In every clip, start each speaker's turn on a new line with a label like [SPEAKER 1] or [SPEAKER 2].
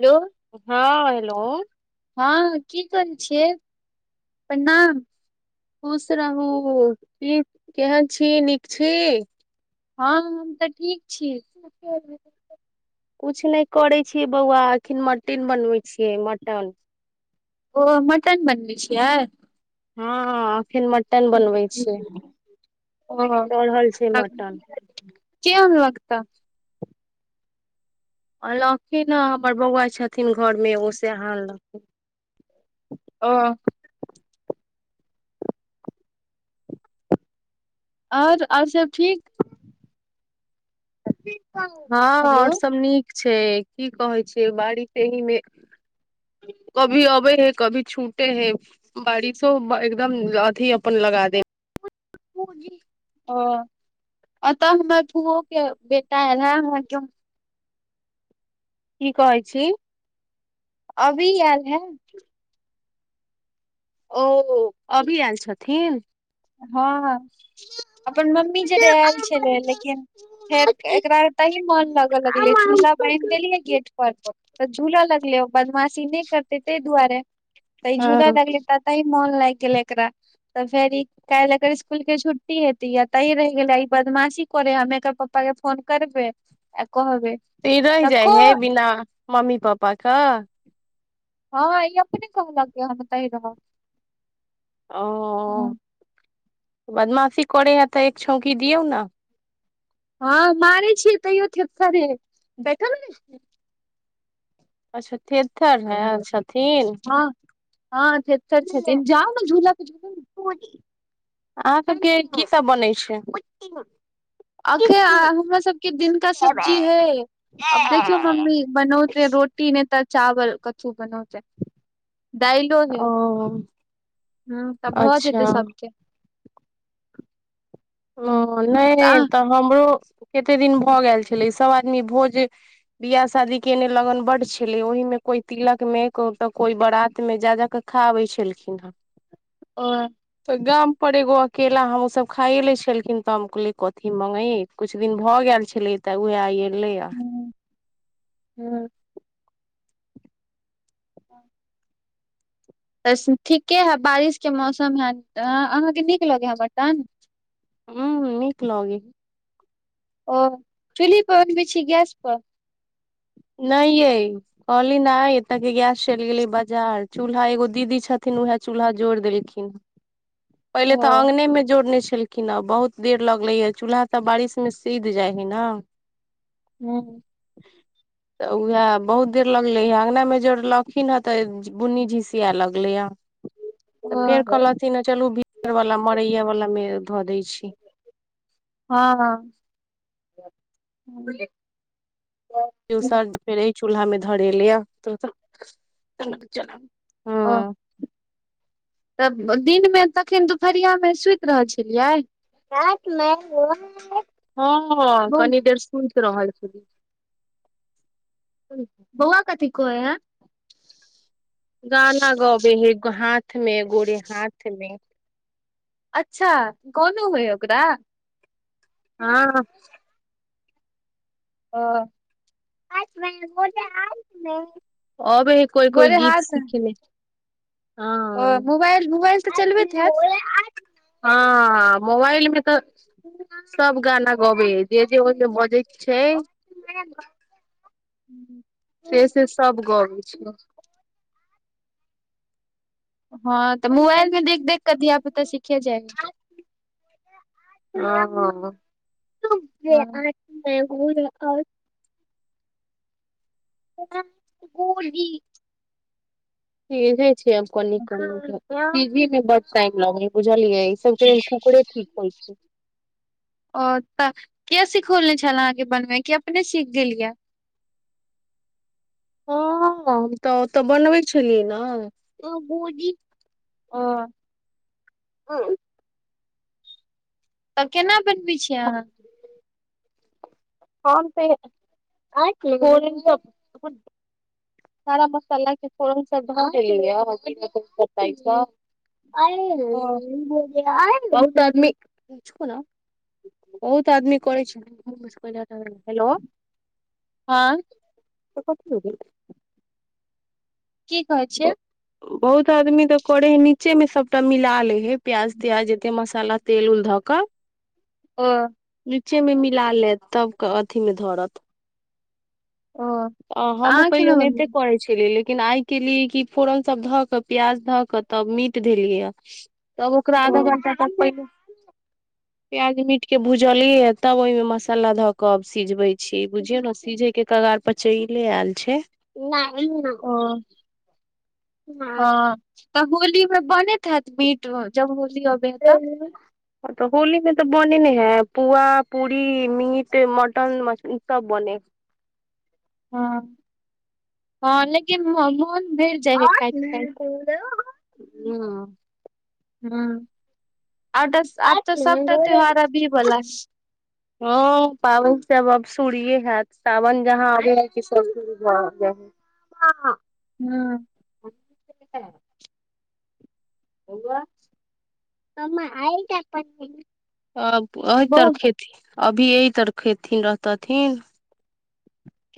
[SPEAKER 1] hello
[SPEAKER 2] हाँ hello
[SPEAKER 1] हाँ की करे छियै प्रणाम
[SPEAKER 2] खुश रहु केहन छी नीक छी
[SPEAKER 1] हँ हम तऽ ठीक छी
[SPEAKER 2] कुछ नहि करै छियै बौआ अखन मटीन बनबै छियै मटन
[SPEAKER 1] ओ मटन बनबे छियऽ
[SPEAKER 2] हँ एखन मटन बनबै छियै
[SPEAKER 1] ओ
[SPEAKER 2] चढ़ल छै मटन
[SPEAKER 1] केँ अनलक तऽ
[SPEAKER 2] अनलखिन ह हमर बौआ छथिन घर मे ओ से अनलखिन
[SPEAKER 1] ओ आओर आओर सब ठीक
[SPEAKER 2] हँ
[SPEAKER 1] हेलो
[SPEAKER 2] और सब नीक छै की कहै छियै बारिस आहि मे कभी अबे है कभी छूटे है बारिशो एकदम अथि अपन लगा दे
[SPEAKER 1] ओ अतऽ हमर फुओ के बेटा एल हे अहाँके हम
[SPEAKER 2] कि कहै छी
[SPEAKER 1] अभी आयल है
[SPEAKER 2] ओ अभी आयल छथिन
[SPEAKER 1] हँ हँ अपन मम्मी जरे आयल छलै लेकिन फेर एकरा त ही मन लगे लगलेै झूला बान्हि देलीये गेट पर तऽ झूला लगले बदमाशी नई करते ताहि दुआरे तऽ ई झूला
[SPEAKER 2] हँ
[SPEAKER 1] लगले तऽ तइ मोन लागि गेलै एकरा तऽ फेर ई काल्हि एकर स्कुल के छुट्टी हेती य ता रहि गेलै ई बदमाशी करे ह हमे एकर पप्पा के फोन करबे आय कहबैय
[SPEAKER 2] त ई रहि जाइ हे बिना मम्मी पप्पा कऽ
[SPEAKER 1] हँ ई अपने कहलक जे हम एतय रहब
[SPEAKER 2] ओ बदमाासी करे है तऽ एक छौंकी दियौ नऽ
[SPEAKER 1] हँ मारे छियै तैयो थेथरे देखे नेय छिये
[SPEAKER 2] अच्छा थेथर है छथिन
[SPEAKER 1] हँ हँ थेथार छथिन जाउ झूला के झू
[SPEAKER 2] अहाँ सब के की सब बनै छै
[SPEAKER 1] अखेन हमरा सबके दिनका सब्जी हय अब देखियौ मम्मी बनौते रोटी नहि तऽ चावल कथू बनौते दाइलो हऽ
[SPEAKER 2] ओ
[SPEAKER 1] हऽ तऽ भऽ
[SPEAKER 2] अच्छा
[SPEAKER 1] जेतै सब के
[SPEAKER 2] हाँ नहि तऽ हमरो कते दिन भऽ गेल छलै सभऽ आदमी भोज बियाह शादी के ने लगन बड छलै ओहि मे कोइ तिलक में कोइ बारत में जा जा कऽ खा आबे छलखिन हऽ
[SPEAKER 1] ओ
[SPEAKER 2] गाम पर एगो अकेला हम सब खायइ ले छी छेलखिन तऽ हम कहलियै कथी मंगैयै कुछ दिन भऽ गेल छेलैे तऽ उएह आइ एल
[SPEAKER 1] हू हु [unintelligible] तऽ ठीके हइ बारिशके मौसम है अहाँके नीक लगै ह मटन
[SPEAKER 2] हूंम्म हूंम्म नीक लगै
[SPEAKER 1] ओ चुलही पन बे छी गैस पर
[SPEAKER 2] नई ये कहली नाय एतऽ के गैस चलि गेलै बाजार चूल्हा एगो दीदी छथिन उहाय चूल्हा जोड़ देलखिन ह पहिले
[SPEAKER 1] ओ
[SPEAKER 2] तऽ आंगने में जोड़ने छलखिन कि न बहुत देर लगले हे चूल्हा तऽ बारिश मे सिध जाय है नऽ
[SPEAKER 1] हूँ
[SPEAKER 2] तऽ उएह बहुत देर लगलै अंगना मे जोड़लखिन हे तऽ बुन्नी झिसिया लगलैय तऽ फेर
[SPEAKER 1] ओ
[SPEAKER 2] कहलथिन चलू भीतर वला मरैये वला मे धऽ दै छी
[SPEAKER 1] हँ
[SPEAKER 2] दसर फेर चूल्हा मे धरेले त
[SPEAKER 1] ओ तऽ दिन में तखन दुपहरिया में सुति रहल छलियै
[SPEAKER 2] हाँ
[SPEAKER 1] बौ
[SPEAKER 2] कनि देर स सुत रहल छलिये
[SPEAKER 1] बौआ कथी कहै हैंय
[SPEAKER 2] गाना गबे है हाथ मे गोरे हाथ मे
[SPEAKER 1] अच्छा कोनो हुए ओकरा
[SPEAKER 2] हँ
[SPEAKER 1] ओ
[SPEAKER 2] आबे हैय कोइ कोइ
[SPEAKER 1] गोरे
[SPEAKER 2] गीत
[SPEAKER 1] हाथ
[SPEAKER 2] सिखय ले
[SPEAKER 1] ओ
[SPEAKER 2] हाँ
[SPEAKER 1] मोबाइल मोबाइल तऽ चलबैत
[SPEAKER 2] हाँ मोबाइल में तऽ सब गाना गबै ह जे जे ओहिमे बजै छै
[SPEAKER 1] [inaudible]
[SPEAKER 2] से से सब गबै छिय
[SPEAKER 1] हाँ तऽ मोबाइल में देख देख कऽ धिया पुता सिखे जाइया हँ
[SPEAKER 2] हँ
[SPEAKER 1] [inaudible]
[SPEAKER 2] कोली सीझे छै आब कनि कनि क मे सोझी मे बड टाइम लगे बुझलियै सबकहे कुकड़े ठीक होय छै
[SPEAKER 1] ओतऽ के सिखोलने छले अहाँ के बनवे की अपने सीख गेलिये
[SPEAKER 2] हँ हम तऽ ओतऽ बनबै छलियै नऽ
[SPEAKER 1] [unintelligible]
[SPEAKER 2] [unintelligible]
[SPEAKER 1] तऽ केना बनबै छीयै आहाँ
[SPEAKER 2] [unintelligible] सारा मसाला के फोरन सब धऽ धेलीए [unintelligible]
[SPEAKER 1] ओ
[SPEAKER 2] [unintelligible] बहुत आदमी छोरो न बहुत आदमी करै छै [inaudible] ह हेलो
[SPEAKER 1] हाँ
[SPEAKER 2] तऽ कथी
[SPEAKER 1] की कहै छिए
[SPEAKER 2] बहुत आदमी तऽ करे है नीचे मे सबटा मिला ले हे प्याज त्याज जते मसाला तेल उल धऽ कऽ
[SPEAKER 1] [unintelligible]
[SPEAKER 2] नीचे मे मिला लेत तब क अथी मे धरत
[SPEAKER 1] [unintelligible]
[SPEAKER 2] ओ हँ हूम
[SPEAKER 1] अहाँ
[SPEAKER 2] पहिल
[SPEAKER 1] केना
[SPEAKER 2] ओनाइते
[SPEAKER 1] बनबै
[SPEAKER 2] करै छलिए लेकिन आइ केली कि फोरन सब धऽ क प्याज धऽ क तब मीट धेलियै य तब ओकरा
[SPEAKER 1] ओ
[SPEAKER 2] आधा घंटा तक [unintelligible]
[SPEAKER 1] [inaudible]
[SPEAKER 2] प्याज मीट के भूजलिय तब ओहिमे मसाला धऽ के अब सिझबै छी बुझियौ ने सीझे के कगार पर पर चैले आए छै
[SPEAKER 1] ह [inaudible]
[SPEAKER 2] नहि
[SPEAKER 1] हँ तऽ होली मे बनैत है त मीट जब होली अ
[SPEAKER 2] [unintelligible] तऽ होली में तऽ बने ने हैं पुआ पूरी मीट मटन मछली ई सब बने है
[SPEAKER 1] हँ [inaudible] हँ लेकिन मोन भेल
[SPEAKER 2] [unintelligible]
[SPEAKER 1] ह [inaudible] आ त आब तऽ सबटा त्यौहार आबि बला
[SPEAKER 2] हँ पाबन सब अब शुरुए हयत सावन जहाँ आबै है सब शुरू भ जा है [unintelligible]
[SPEAKER 1] [unintelligible] [unintelligible]
[SPEAKER 2] [unintelligible]
[SPEAKER 1] बौआ
[SPEAKER 2] अभी यह तर खेथिन रहतथिन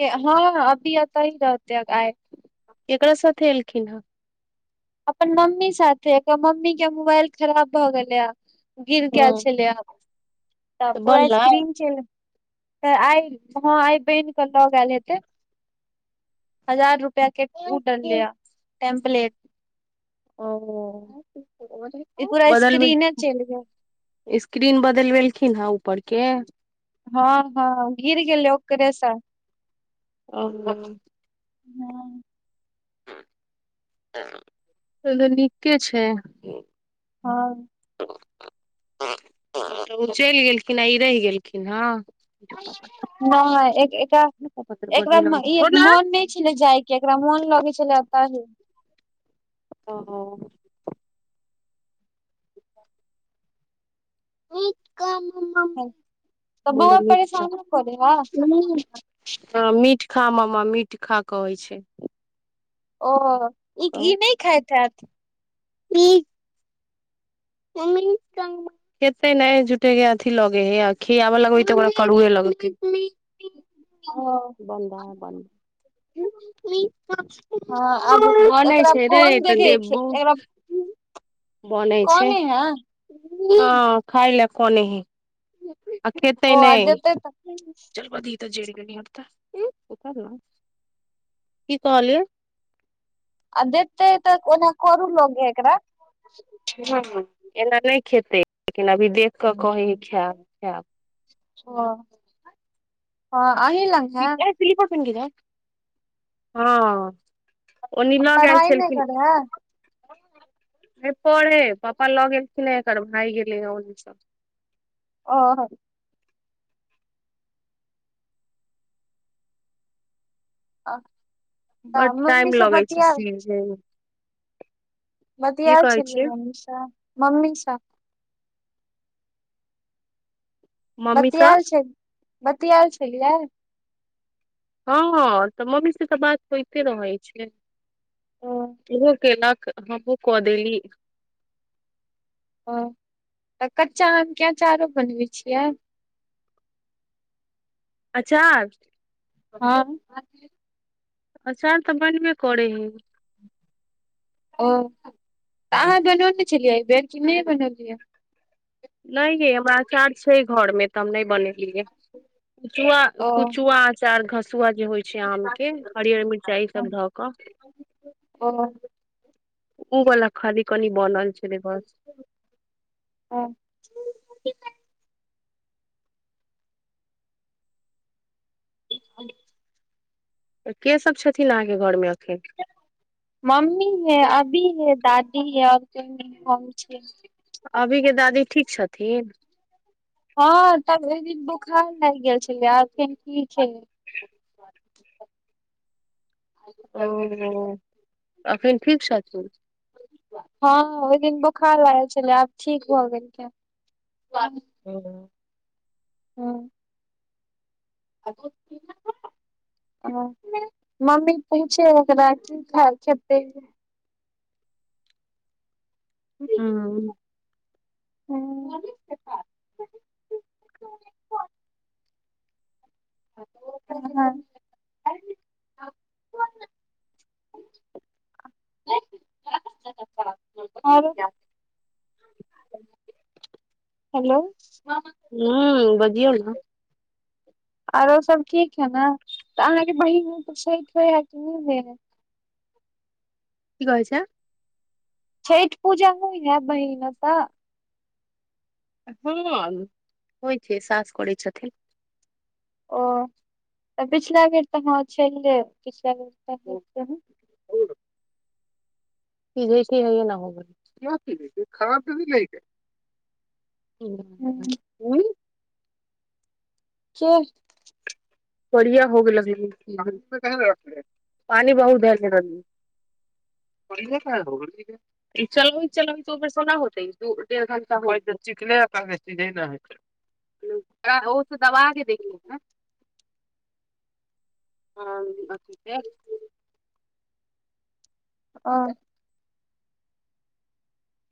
[SPEAKER 1] हँ अभी एतैन रहतै आए
[SPEAKER 2] केकरा साथे एलखिन हे
[SPEAKER 1] अपन मम्मी साथे ऐकर मम्मी के मोबाइल खराब भऽ गेलैया ह गिर
[SPEAKER 2] ह
[SPEAKER 1] गेल छलै तऽ [inaudible] पूरा स्क्रीन चेल त आइ हँ आइ बन के एल हेतै [inaudible] हजार रुप [unintelligible] टम्प्लेट
[SPEAKER 2] ओ [unintelligible]
[SPEAKER 1] इ पूरा स
[SPEAKER 2] बदलबे
[SPEAKER 1] स्क्रीन चेल गेल
[SPEAKER 2] स्क्रीन बदल बेलखिन हँ ऊपर के
[SPEAKER 1] हँ हँ गीर गेलै ओकरे स
[SPEAKER 2] [unintelligible]
[SPEAKER 1] हँ
[SPEAKER 2] [unintelligible] नीके छै
[SPEAKER 1] हँ
[SPEAKER 2] तऽ ओ चलि गेलखिन आ ई रहि गेलखिन हँ पापा
[SPEAKER 1] नई एक एकर
[SPEAKER 2] तोर गोर नहि लगै
[SPEAKER 1] [unintelligible]
[SPEAKER 2] छै
[SPEAKER 1] ई
[SPEAKER 2] छोड़ ना
[SPEAKER 1] मोन नहि छलै जाय के एकरा मन लगे छलै एतही
[SPEAKER 2] ओ
[SPEAKER 1] तऽ
[SPEAKER 2] मम्मी बोल
[SPEAKER 1] बौआ
[SPEAKER 2] मीट चा
[SPEAKER 1] परेशान नहि करै हँ
[SPEAKER 2] हँ मीठ खा ममा मीठ खा कहै छै
[SPEAKER 1] ओ ई ई नहि खाइथ हैत
[SPEAKER 2] ई मम्मी संग [unintelligible] खेतय नहि झूठे के अथी लगे हे आ खिआब लगबे तऽ ओकरा करुए लगते
[SPEAKER 1] ओ
[SPEAKER 2] बन [unintelligible] बन
[SPEAKER 1] हँ आब
[SPEAKER 2] बनै
[SPEAKER 1] एकरा
[SPEAKER 2] छै रे
[SPEAKER 1] फोन
[SPEAKER 2] तऽ
[SPEAKER 1] देखे
[SPEAKER 2] देबो
[SPEAKER 1] एकरा
[SPEAKER 2] बनै छै
[SPEAKER 1] कने है
[SPEAKER 2] हँ खाय लऽ कनै हइ आ खेते
[SPEAKER 1] ओ आ
[SPEAKER 2] नहि
[SPEAKER 1] देते तऽ
[SPEAKER 2] चल बऽ दिही तऽ जैड़ गेलै हन की कहलियै
[SPEAKER 1] आ देते तऽ ओना करू लगे हे एकरा
[SPEAKER 2] हँ एना नहि खेतै लेकिन अभी देख कऽ कही खैब खैब
[SPEAKER 1] ओ हँ आँही लंग
[SPEAKER 2] [unintelligible] हँ ओनी लऽ गेल
[SPEAKER 1] पढ़ाई नहि
[SPEAKER 2] छलखिन
[SPEAKER 1] करे है
[SPEAKER 2] हे पढ़े पपा लऽ गेल छले एकर भाग गेलै हँ ओनी सँ
[SPEAKER 1] [unintelligible] आ
[SPEAKER 2] बड्ड टाइम लगै छै सीेझे मे की
[SPEAKER 1] बतीयैत
[SPEAKER 2] कहै
[SPEAKER 1] छलिये
[SPEAKER 2] छियै
[SPEAKER 1] मम्मी सँ मम्मी सँ
[SPEAKER 2] मम्मी सँ
[SPEAKER 1] बतियाइ छै बतियाय छलियै
[SPEAKER 2] हँ तऽ मम्मी से तऽ बात होते रहै छै
[SPEAKER 1] ओ
[SPEAKER 2] उहो केलक हमहूँ क देली
[SPEAKER 1] तऽ कच्चा आमके अँचारो बनबै छियै
[SPEAKER 2] अचार
[SPEAKER 1] हँ
[SPEAKER 2] आचार त बनबे करे है
[SPEAKER 1] ओ तऽ अहाँ बनैने छलियै अहिबेर कि नहि बनलियै
[SPEAKER 2] नई ये हमरा आचार छै घर मे तऽ हम नहि बनेलियै कुचुआ
[SPEAKER 1] ओ
[SPEAKER 2] कुचुआ अचार घसुआ जे होइ छै आमकेँ हरियर मिचाइ ईसभ धऽ कऽ
[SPEAKER 1] ओ
[SPEAKER 2] उ वला खाली कनी बनल छलै बस
[SPEAKER 1] हँ [inaudible]
[SPEAKER 2] तऽ केँ सब छथिन अहाँके घरमे अखैन
[SPEAKER 1] मम्मी हइ अभी हइ दादी हइ आओर कियो नहि हम छिये
[SPEAKER 2] अभीकेँ दादी ठीक छथिन
[SPEAKER 1] हँ तब एकदिन बोखार लागि गेल छलै आखैन ठीक छै [inaudible]
[SPEAKER 2] [unintelligible] एखन ठीक छथिन
[SPEAKER 1] हँ ओहि दिन बोखार लागल छलै आब ठीक भऽ गेल [inaudible]
[SPEAKER 2] [unintelligible]
[SPEAKER 1] [inaudible] [inaudible] ह [inaudible] मम्मी पूछे ओकरा ठीक ठीका छथिन
[SPEAKER 2] [unintelligible]
[SPEAKER 1] [unintelligible] [inaudible] [unintelligible] हेलो [inaudible]
[SPEAKER 2] हू बजियौ ने
[SPEAKER 1] औरो सब ठीक है न तऽ अहाँके बहिन छठ हो है कि नहि हो है
[SPEAKER 2] की कहै छिए
[SPEAKER 1] छठ पूजा होइ ने बहिन ओत
[SPEAKER 2] हँ होइ छै सास करै छथिन
[SPEAKER 1] ओ तऽ पछला बेर तऽ हँ छेलिए
[SPEAKER 2] उ
[SPEAKER 1] [unintelligible]
[SPEAKER 2] ई बुझतिये ना एना भ [unintelligible] [inaudible]
[SPEAKER 1] [unintelligible]
[SPEAKER 2] बढ़िया हो गेल [unintelligible] पानी बहुत भेल छिए [unintelligible] [unintelligible] [inaudible] एकरा ओ स दबा देखिए न हँ अथी के
[SPEAKER 1] [unintelligible]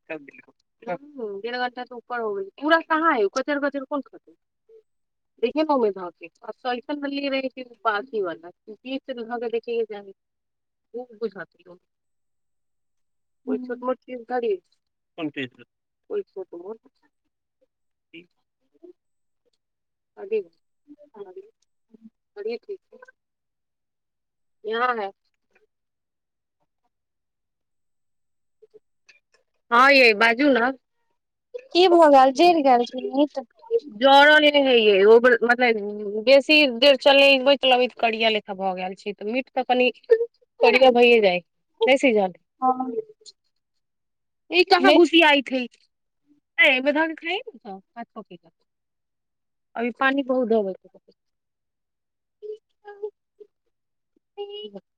[SPEAKER 2] [unintelligible] डेढ़ घण्टा सऽ ऊपर हो गेल पूरा कहाँ कचर-कचर कोन खतै [unintelligible] [unintelligible] कोइ छोट
[SPEAKER 1] हूँ
[SPEAKER 2] मोट चिज करी [unintelligible]
[SPEAKER 1] [inaudible]
[SPEAKER 2] [unintelligible] [unintelligible] [unintelligible] हँ ये बाजू न
[SPEAKER 1] की भऽ गेल जैर गेल की मिट
[SPEAKER 2] जरल नाए है ए [unintelligible] उपलबित करिया लेखा भऽ गेल छै तऽ मीट तऽ कनि करिया भैेये जाय नहि सीझल ई कहाँ
[SPEAKER 1] मीट
[SPEAKER 2] घुसीयात हइ [unintelligible] [unintelligible]